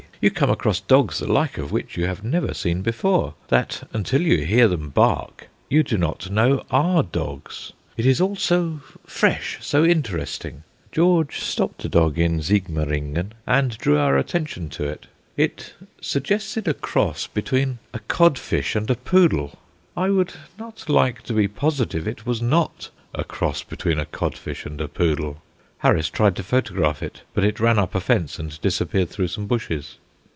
You come across dogs the like of which you have never seen before: that until you hear them bark you do not know are dogs. It is all so fresh, so interesting. George stopped a dog in Sigmaringen and drew our attention to it. It suggested a cross between a codfish and a poodle. I would not like to be positive it was not a cross between a codfish and a poodle. Harris tried to photograph it, but it ran up a fence and disappeared through some bushes.